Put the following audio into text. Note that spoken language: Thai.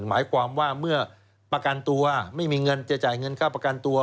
หมายความว่าเมื่อประกันตัวไม่มีเงินจะจ่ายเงินค่าประกันตัว